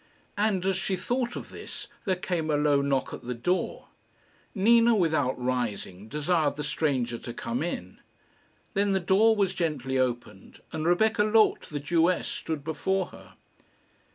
And as she thought of this there came a low knock at the door. Nina, without rising, desired the stranger to come in. Then the door was gently opened, and Rebecca Loth the Jewess stood before her.